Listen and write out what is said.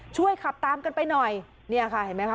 ช่วยขับตามกันไปหน่อยเนี่ยค่ะเห็นไหมคะ